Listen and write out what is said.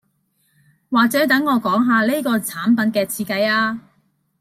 或者等我講吓呢個產品嘅設計吖